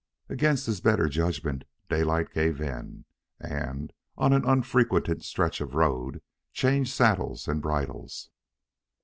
Against his better judgment, Daylight gave in, and, on an unfrequented stretch of road, changed saddles and bridles.